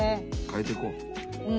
変えていこう。